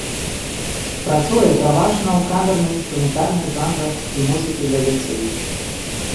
Працуе пераважна ў камерна-інструментальных жанрах і музыкі для дзяцей.